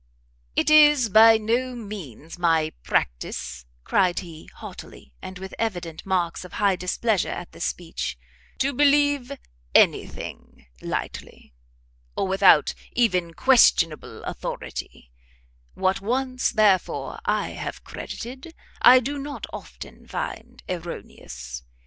"It is by no means my practice," cried he, haughtily, and with evident marks of high displeasure at this speech, "to believe any thing lightly, or without even unquestionable authority; what once, therefore, I have credited, I do not often find erroneous.